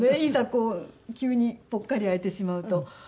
いざ急にぽっかり空いてしまうと。